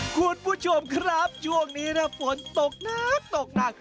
คุณผู้ชมครับช่วงนี้ฝนตกนัก